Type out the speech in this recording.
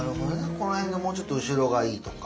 この辺のもうちょっと後ろがいいとか。